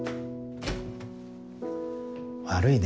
悪いね